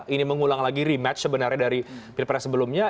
ini mengulang lagi rematch sebenarnya dari pilpres sebelumnya